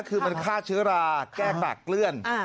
คือมันฆ่าเชื้อราแก้ปากเกลือน